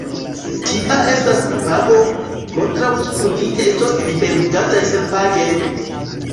Tia estas la pago, kontraŭ kiu ni estos liberigataj senpage!